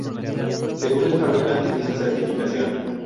Según el fabricante y su certificación.